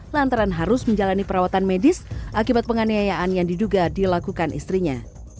lantaran harus menjalani perawatan medis akibat penganiayaan yang diduga dilakukan istrinya